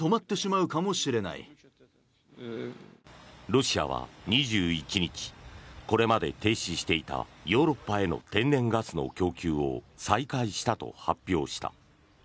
ロシアは２１日これまで停止していたヨーロッパへの天然ガスの供給を再開したと発表した。